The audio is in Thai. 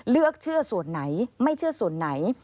เลือกเชื่อส่วนไหนไม่เชื่อส่วนไหน